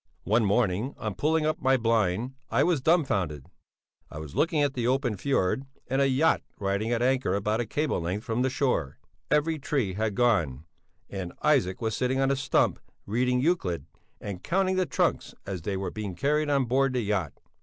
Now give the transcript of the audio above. One morning, on pulling up my blind, I was dumbfounded; I was looking at the open fjörd and a yacht riding at anchor about a cable length from the shore. Every tree had gone, and Isaac was sitting on a stump reading Euclid and counting the trunks as they were being carried on board the yacht.